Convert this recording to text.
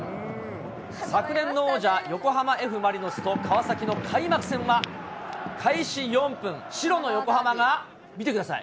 昨年の王者、横浜Ｆ・マリノスと川崎の開幕戦は、開始４分、白の横浜が、見てください。